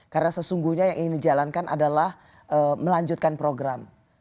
karena sesungguhnya yang ingin dijalankan adalah melanjutkan program